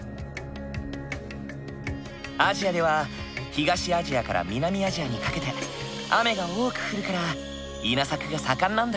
アジアでは東アジアから南アジアにかけて雨が多く降るから稲作が盛んなんだ。